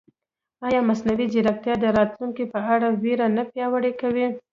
ایا مصنوعي ځیرکتیا د راتلونکي په اړه وېره نه پیاوړې کوي؟